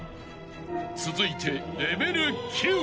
［続いて］